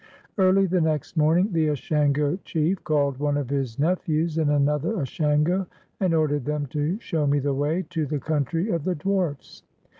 Early the next morning the Ashango chief called one of his nephews and another Ashango, and ordered them to show me the way to the country of the dwarfs.